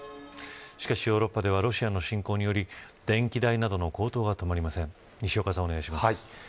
しかしヨーロッパではロシアの侵攻により電気代などの高騰が止まりません。